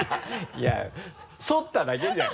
いや反っただけじゃん。